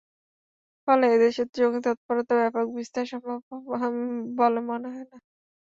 ফলে এ দেশে জঙ্গি তৎপরতার ব্যাপক বিস্তার সম্ভব বলে মনে হয় না।